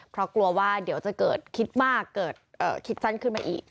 เพราะกลัวว่าเดี๋ยวจะเกิดคิดมากเกิดคิดสั้นขึ้นมาอีก